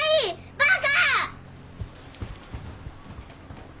バカ！